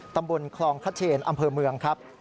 ตำบลคลองคเชนอำเภอเมืองครับ